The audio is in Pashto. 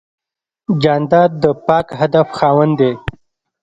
جانداد د پاک هدف خاوند دی.